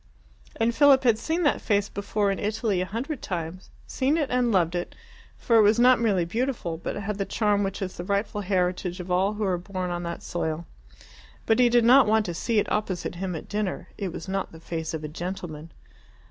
And Philip had seen that face before in Italy a hundred times seen it and loved it, for it was not merely beautiful, but had the charm which is the rightful heritage of all who are born on that soil. But he did not want to see it opposite him at dinner. It was not the face of a gentleman.